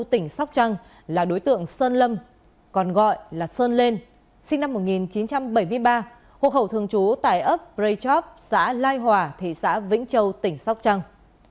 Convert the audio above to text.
tỉnh sóc trăng là đối tượng sơn lâm còn gọi là sơn lên sinh năm một nghìn chín trăm bảy mươi ba hộ khẩu thường trú tại ấp prey chop xã lai hòa thị xã vĩnh châu tỉnh sóc trăng